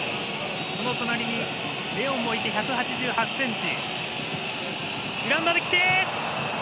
その隣、レオンもいて１８８ｃｍ。